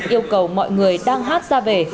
yêu cầu mọi người đang hát ra về